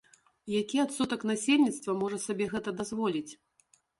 Які адсотак насельніцтва можа сабе гэта дазволіць?